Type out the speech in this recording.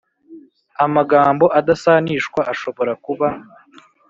amagambo adasanishwa ashobora kuba